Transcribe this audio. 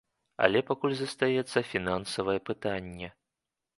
Але пакуль застаецца фінансавае пытанне.